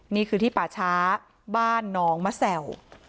นี่คือที่ป่าช้าบ้านน้องมะแสว